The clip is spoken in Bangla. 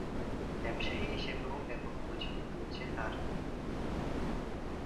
ব্যবসায়ী হিসেবে ও ব্যাপক পরিচিতি রয়েছে তার।